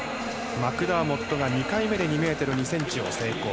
マクダーモットが２回目で２ｍ２ｃｍを成功。